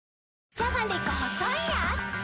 じゃがりこ細いやーつ